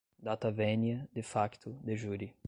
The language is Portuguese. data venia, de facto, de jure